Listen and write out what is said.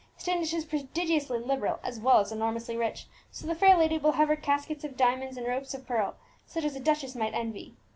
Standish is prodigiously liberal as well as enormously rich; so the fair lady will have her caskets of diamonds and 'ropes of pearl,' such as a duchess might envy.